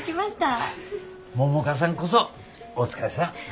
百花さんこそお疲れさん！